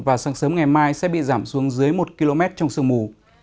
và sáng sớm ngày mai sẽ bị giảm xuống dưới một km trong sương mù